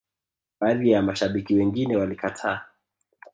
baadhi ya mashabiki wengine walikataa